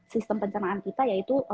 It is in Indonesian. sistem pencernaan kita yaitu